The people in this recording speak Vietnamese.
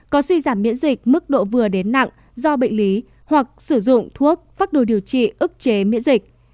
có suy giảm miễn dịch mức độ vừa đến nặng do bệnh lý hoặc sử dụng thuốc phác đồ điều trị ức chế miễn dịch